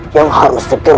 yang harus diperlukan